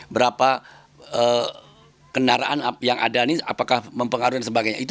berapa kendaraan yang ada ini apakah mempengaruhi dan sebagainya